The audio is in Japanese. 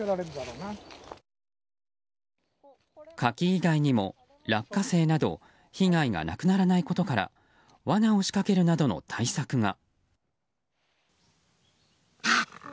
柿以外にも落花生など被害がなくならないことからわなを仕掛けるなどの対策が。